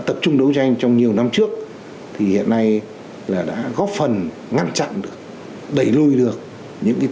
tập trung đấu tranh trong nhiều năm trước thì hiện nay là đã góp phần ngăn chặn được đẩy lùi được những